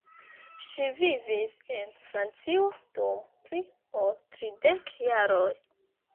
Ŝi vivis en Francio dum pli ol tridek jaroj.